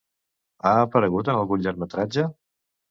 Ha aparegut en algun llargmetratge?